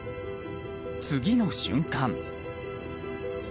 次の瞬間。